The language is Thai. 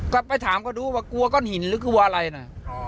ก็ไปถามเขาดูว่ากลัวก้อนหินหรือกลัวอะไรนะ